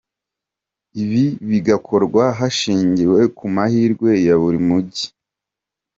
Ibi bigakorwa hashingiwe ku mahirwe ya buri mujyi.